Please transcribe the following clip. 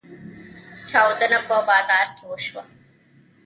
چاودنه په بازار کې وشوه.